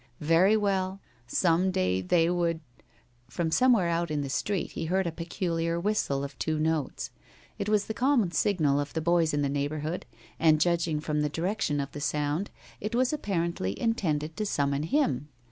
Very well; some day they would From somewhere out in the street he heard a peculiar whistle of two notes. It was the common signal of the boys in the neighborhood, and judging from the direction of the sound, it was apparently intended to summon him.